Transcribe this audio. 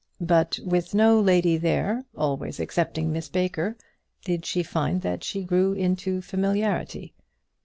But with no lady there, always excepting Miss Baker, did she find that she grew into familiarity.